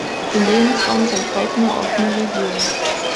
Ihr Lebensraum sind trockene, offene Regionen.